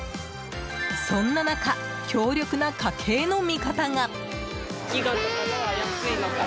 そんな中、強力な家計の味方が。